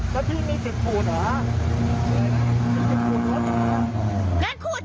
แล้วที่มีสิบขูดหรอ